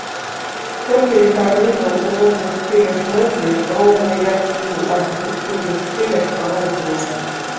Профілі карнізаў у розных стылях мэблі, роўна, як і ў архітэктурных стылях, розныя.